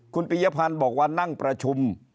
คุณปียพันธ์บอกว่านั่งประชุม